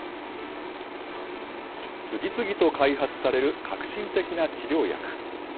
次々と開発される革新的な治療薬。